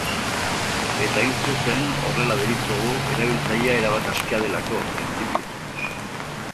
Eta hain zuzen, horrela deritzogu, erabiltzailea erabat askea delako, printzipioz.